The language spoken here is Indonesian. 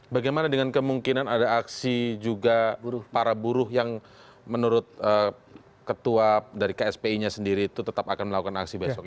bagaimana dengan kemungkinan ada aksi juga para buruh yang menurut ketua dari kspi nya sendiri itu tetap akan melakukan aksi besok